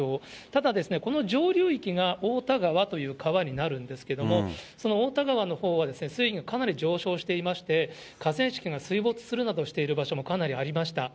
ただ、この上流域が太田川という川になるんですけれども、その太田川のほうは、水位がかなり上昇していまして、河川敷が水没するなどしている場所もかなりありました。